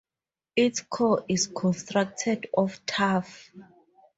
Its core is constructed of tuff.